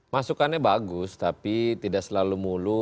masukannya bagus tapi tidak selalu mulu